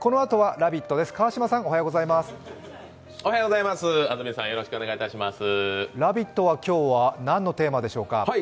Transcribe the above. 「ラヴィット！」は今日は何のテーマでしょうか？